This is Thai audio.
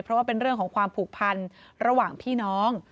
เพราะว่าเป็นเรื่องของความผูกพันระหว่างพี่น้อง